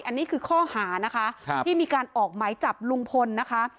อันนี้คือข้อหานะคะที่มีการออกหมายจับลุงพลนะคะ